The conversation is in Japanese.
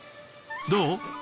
どう？